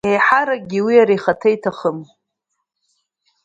Еиҳаракгьы, уи иара ихаҭа иҭахым…